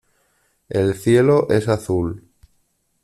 El cielo es azul.